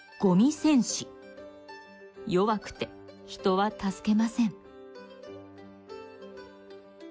弱くて人は助けません。